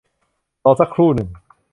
รอสักครู่หนึ่ง